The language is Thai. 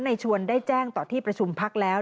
ในชวนได้แจ้งต่อที่ประชุมพักแล้ว